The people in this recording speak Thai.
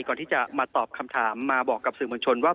ก่อนที่จะมาตอบคำถามมาบอกกับสื่อมวลชนว่า